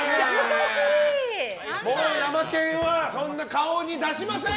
もう、ヤマケンはそんな顔に出しません！